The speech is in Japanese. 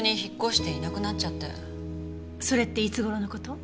それっていつ頃の事？